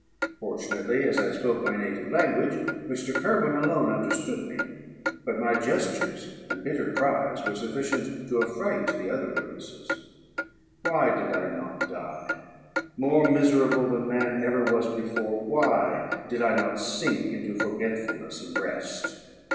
Fortunately, as I spoke my native language, Mr. Kirwin alone understood me; but my gestures and bitter cries were sufficient to affright the other witnesses. Why did I not die? More miserable than man ever was before, why did I not sink into forgetfulness and rest?